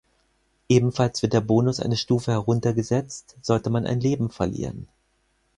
Ebenfalls wird der Bonus eine Stufe herunter gesetzt, sollte man ein Leben verlieren.